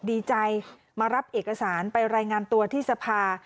ดีใจมารับเอกสารไปรายงานตัวที่สภา